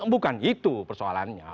bukan itu persoalannya